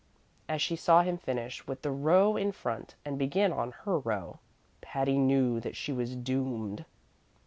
As she saw him finish with the row in front and begin on her row, Patty knew that she was doomed.